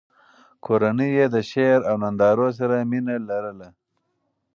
کورنۍ یې د شعر او نندارو سره مینه لرله.